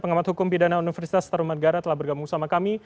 pengamat hukum pidana universitas tarumadgara telah bergabung sama kami